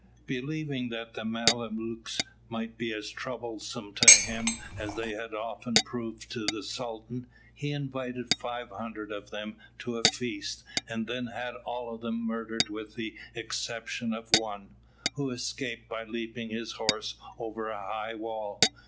Believing that the Mamelukes might be as troublesome to him as they had often proved to the Sultan, he invited 500 of them to a feast, and then had all of them murdered with the exception of one, who escaped by leaping his horse over a high wall.